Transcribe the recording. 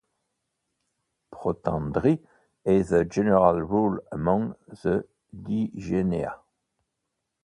Protandry is the general rule among the Digenea.